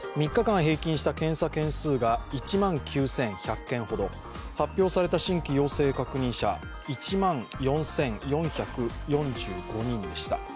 ３日間平均した検査件数が１万９１００件ほど発表された新規陽性確認者１万４４４５人でした。